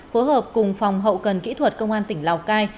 phối hợp cùng phòng hậu cần kỹ thuật công an tỉnh lào cai